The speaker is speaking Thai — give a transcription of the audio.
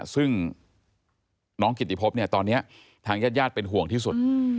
ซึ่งน้องกิติพบเนี่ยตอนนี้ทางญาติญาติเป็นห่วงที่สุด